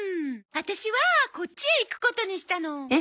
ワタシはこっちへ行くことにしたの。